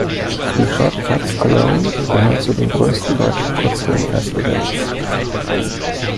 Die "Short Cuts Cologne" gehörten zu den größten deutschen Kurzfilmfestivals.